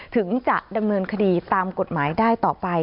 ถึงจะดำเนินคดีตามกฎหมายได้ต่อไป